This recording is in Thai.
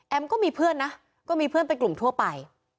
ก็มีเพื่อนนะก็มีเพื่อนเป็นกลุ่มทั่วไป